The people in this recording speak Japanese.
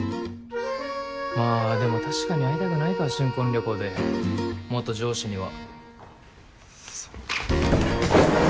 まあでも確かに会いたくないか新婚旅行で元上司には。